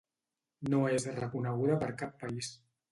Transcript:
No és reconeguda per cap país.